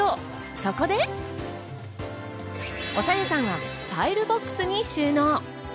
そこで、おさよさんはファイルボックスに収納。